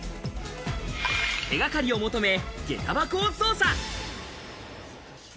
手掛かりを求め、下駄箱を捜査。